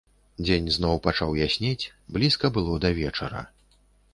Дзень зноў пачаў яснець, блізка было да вечара.